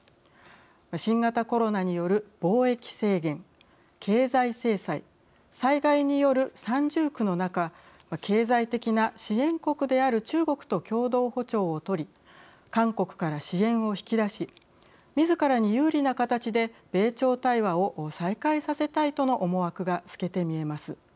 新型コロナによる貿易制限、経済制裁災害による三重苦の中経済的な支援国である中国と共同歩調をとり韓国から支援を引き出しみずからに有利な形で米朝対話を再開させたいとの思惑が透けて見えます。